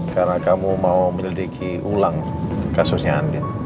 karena kamu mau menyelidiki ulang kasusnya andien